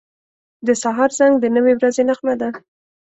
• د سهار زنګ د نوې ورځې نغمه ده.